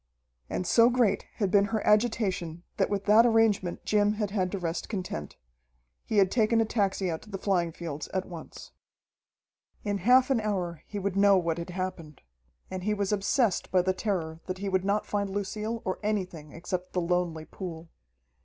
And so great had been her agitation that with that arrangement Jim had had to rest content. He had taken a taxi out to the flying fields at once. In half an hour he would know what had happened. And he was obsessed by the terror that he would not find Lucille or anything except the lonely pool.